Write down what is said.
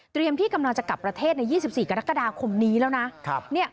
ที่กำลังจะกลับประเทศใน๒๔กรกฎาคมนี้แล้วนะ